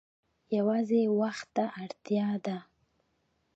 یوازې وخت ته اړتیا ده.